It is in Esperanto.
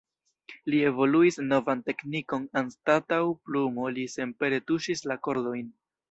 Li evoluis novan teknikon, anstataŭ plumo li senpere tuŝis la kordojn.